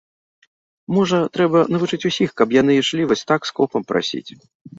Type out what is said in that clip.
Можа, трэба навучыць усіх, каб яны ішлі вось так скопам прасіць.